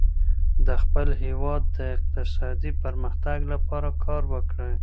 د خپل هیواد د اقتصادي پرمختګ لپاره کار وکړئ.